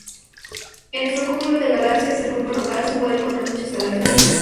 En nuestro cúmulo de galaxias, el Grupo Local, se pueden encontrar muchas galaxias enanas.